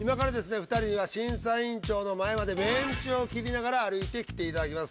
２人には審査委員長の前までメンチを切りながら歩いてきていただきます。